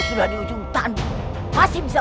tolong lepaskan adikku tercinta